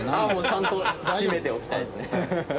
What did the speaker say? ちゃんと閉めておきたいですね。